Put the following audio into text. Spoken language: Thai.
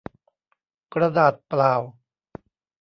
กระดาษเปล่า